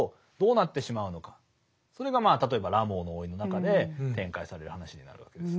それが例えば「ラモーの甥」の中で展開される話になるわけです。